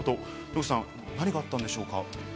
野口さん、何があったんでしょうか？